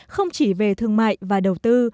không chỉ về thương mại và đầu tư